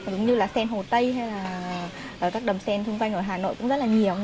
giống như là sen hồ tây hay là các đầm sen xung quanh ở hà nội cũng rất là nhiều